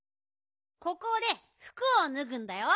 ここでふくをぬぐんだよ。